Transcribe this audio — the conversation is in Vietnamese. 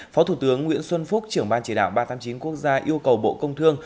phó thủ tướng nguyễn xuân phúc trưởng ban chỉ đạo ba trăm tám mươi chín quốc gia yêu cầu bộ công thương